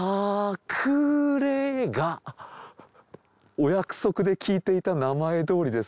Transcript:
お約束で聞いていた名前どおりです。